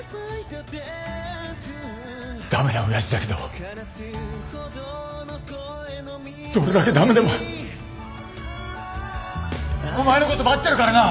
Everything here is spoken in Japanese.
駄目な親父だけどどれだけ駄目でもお前のこと待ってるからな！